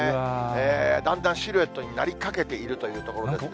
だんだんシルエットになりかけているというところですね。